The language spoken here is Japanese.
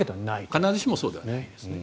必ずしもそうではないですね。